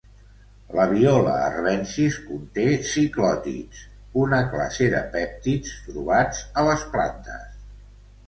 La "Viola arvensis" conté ciclòtids, una classe de pèptids trobats a les plantes.